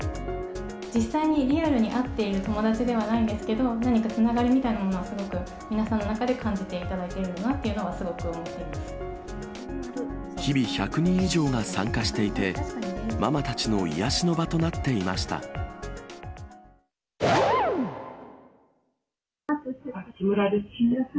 実際にリアルに会っている友達ではないんですけれども、何かつながりみたいなものは、すごく皆さんの中で感じていただけているんだなとすごく思ってい日々１００人以上が参加していて、ママたちの癒やしの場となっていました。